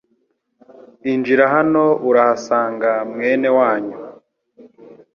Injira hano urahasanga mwene wanyu .